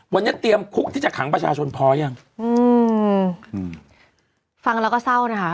วันนี้เตรียมคุกที่จะขังประชาชนพอยังอืมอืมฟังแล้วก็เศร้านะคะ